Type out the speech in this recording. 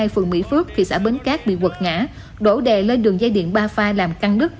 phường mỹ phước thị xã bến cát bị quật ngã đổ đè lên đường dây điện ba pha làm căn đứt